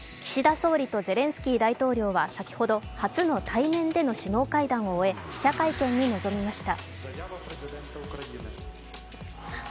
総理とゼレンスキー大統領は先ほど、初の対面での首脳会談を終え記者会見に臨みました。